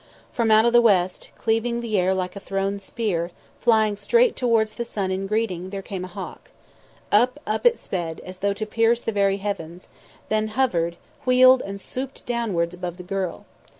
From out of the west, cleaving the air like a thrown spear, flying straight towards the sun in greeting, there came a hawk. Up, up it sped, as though to pierce the very heavens; then hovered, wheeled and swooped downwards above the girl.